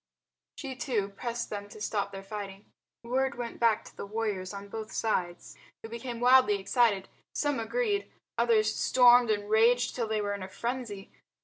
She, too, pressed them to stop their fighting. Word went back to the warriors on both sides, who became wildly excited. Some agreed, others stormed and raged till they were in a frenzy.